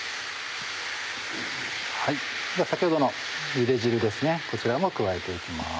先ほどのゆで汁こちらも加えて行きます。